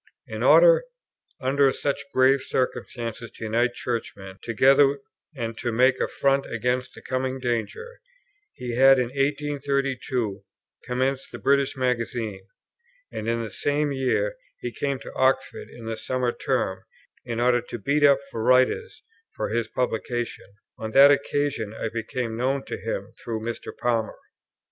In order under such grave circumstances to unite Churchmen together, and to make a front against the coming danger, he had in 1832 commenced the British Magazine, and in the same year he came to Oxford in the summer term, in order to beat up for writers for his publication; on that occasion I became known to him through Mr. Palmer.